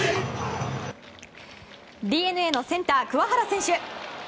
ＤｅＮＡのセンター、桑原選手。